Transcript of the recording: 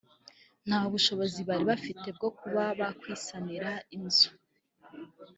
nta bushobozi bari bafite bwo kuba bakwisanira inzu